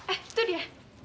eh tuh dia